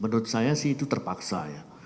menurut saya sih itu terpaksa ya